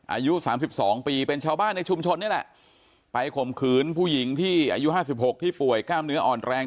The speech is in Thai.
อายุ๓๒ปีเป็นชาวบ้านในชุมชนนี่แหละไปข่มขืนผู้หญิงที่อายุ๕๖ที่ป่วยกล้ามเนื้ออ่อนแรง